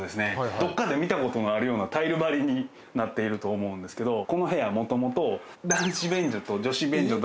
どっかで見たことのあるようなタイル張りになっていると思うんですけどこの部屋元々。